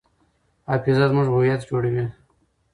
حافظه زموږ هویت جوړوي.